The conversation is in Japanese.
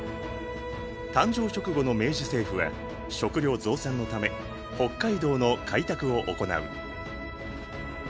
誕生直後の明治政府は食料増産のため北海道の開拓を行う。